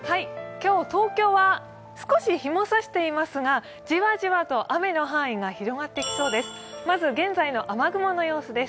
今日、東京は少し日もさしていますが、じわじわと雨の範囲が広がってきそうです。